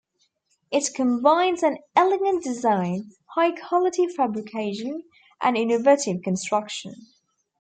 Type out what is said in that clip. It combines an elegant design, high quality fabrication and innovative construction.